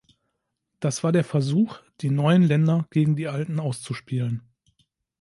Das war der Versuch, die neuen Länder gegen die alten auszuspielen.